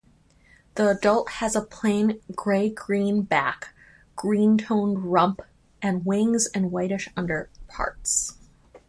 The adult has a plain grey-green back, green-toned rump and wings and whitish underparts.